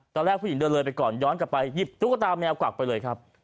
ตอนแรกผู้หญิงเดินเลยไปก่อนย้อนกลับไปหยิบตุ๊กตาแมวกวักไปเลยครับ